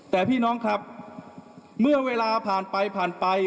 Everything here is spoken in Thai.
แต่พี่น้องครับเมื่อเวลาผ่านไปผ่านไป